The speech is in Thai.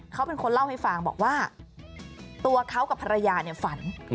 เขาเป็นคนเล่าให้ฟังบอกว่าตัวเขากับภรรยาฝัน